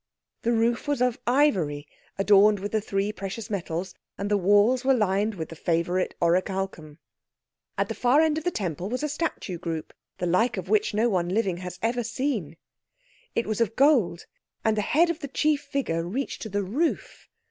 The roof was of ivory adorned with the three precious metals, and the walls were lined with the favourite oricalchum. At the far end of the Temple was a statue group, the like of which no one living has ever seen. It was of gold, and the head of the chief figure reached to the roof.